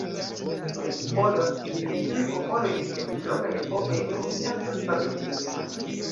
Oni supozas, ke tiuj popoloj vivis dum longaj epokoj en konstanta stato de milito.